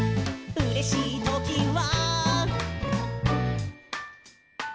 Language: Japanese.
「うれしいときは」